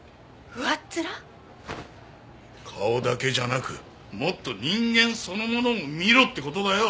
顔だけじゃなくもっと人間そのものを見ろって事だよ。